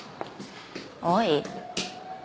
「おい」？